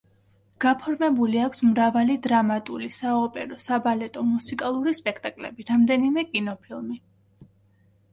გაფორმებული აქვს მრავალი დრამატული, საოპერო, საბალეტო, მუსიკალური სპექტაკლები, რამდენიმე კინოფილმი.